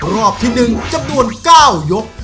รอบที่๑จำนวน๙ยก